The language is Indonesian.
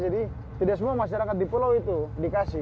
jadi tidak semua masyarakat di pulau itu dikasih